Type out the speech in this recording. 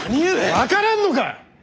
分からんのか！